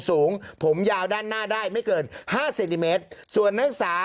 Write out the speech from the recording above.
สูงผมยาวด้านหน้าได้ไม่เกินห้าเซนติเมตรส่วนนักศึกษา